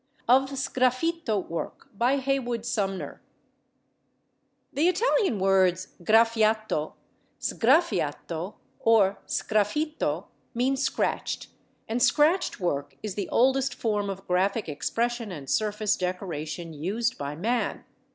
OF SGRAFFITO WORK The Italian words Graffiato, Sgraffiato, or Sgraffito, mean "Scratched," and scratched work is the oldest form of graphic expression and surface decoration used by man.